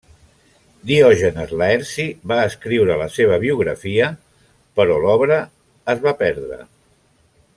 Diògenes Laerci va escriure la seva biografia però l'obra es va perdre.